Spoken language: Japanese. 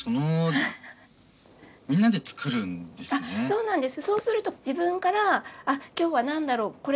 そうなんです。